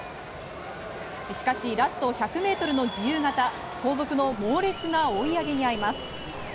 しかし、ラスト１００ｍの自由形後続の猛烈な追い上げにあいます。